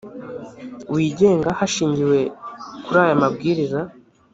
wigenga hashingiwe kuri aya mabwiriza